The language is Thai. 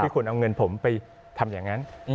คุณเอาเงินผมไปทำอย่างนั้น